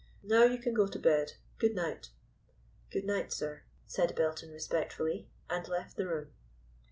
Now you can go to bed. Good night." "Good night, sir," said Belton respectfully, and left the room.